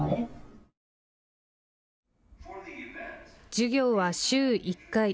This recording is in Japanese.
授業は週１回。